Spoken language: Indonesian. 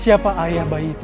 siapa ayah bayi itu